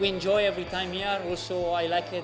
dan saya juga suka orang indonesia karena